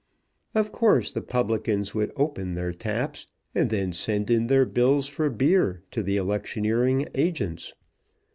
Of course the publicans would open their taps and then send in their bills for beer to the electioneering agents.